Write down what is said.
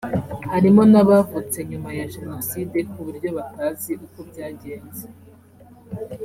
harimo n’abavutse nyuma ya Jenoside ku buryo batazi uko byagenze